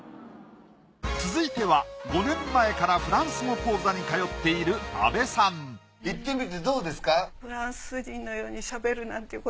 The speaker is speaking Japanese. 続いては５年前からフランス語講座に通っている阿部さん行ってみてどうですか？